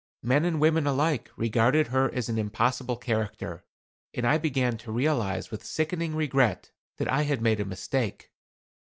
Men and women alike regarded her as an impossible character, and I began to realize with a sickening regret that I had made a mistake.